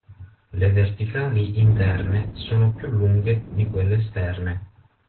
Le verticali interne sono più lunghe di quelle esterne.